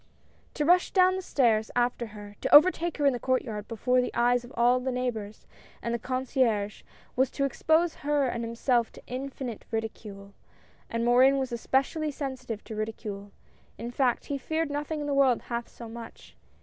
176 HOPES. To rush down the stairs after her, to overtake her in the court yard before the eyes of all the neighbors and the concierge, was to expose her and himself to infinite ridicule, and Morin was especially sensitive to ridicule — in fact, he feared nothing in the world half so much.